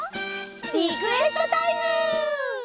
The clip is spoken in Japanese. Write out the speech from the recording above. リクエストタイム！